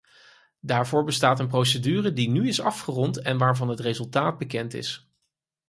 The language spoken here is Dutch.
Daarvoor bestaat een procedure die nu is afgerond en waarvan het resultaat bekend is.